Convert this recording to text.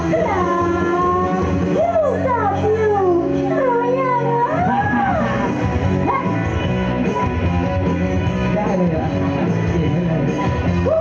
มันต้องเชื่อดพลาด